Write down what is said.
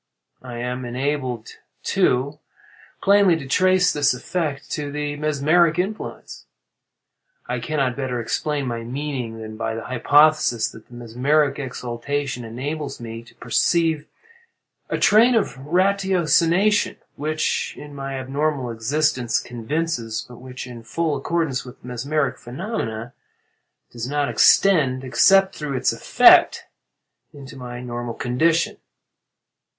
I am enabled, too, plainly to trace this effect to the mesmeric influence. I cannot better explain my meaning than by the hypothesis that the mesmeric exaltation enables me to perceive a train of ratiocination which, in my abnormal existence, convinces, but which, in full accordance with the mesmeric phenomena, does not extend, except through its effect, into my normal condition.